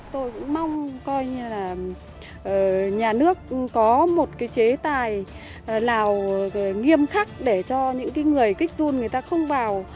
tôi cũng mong coi như là nhà nước có một cái chế tài lào nghiêm khắc để cho những người kích run người ta không vào